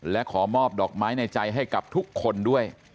และขอมอบดอกไม้ในใจให้กับทุกคนด้วย